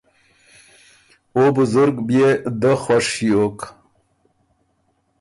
او بزرګ بيې دۀ خوش ݭیوک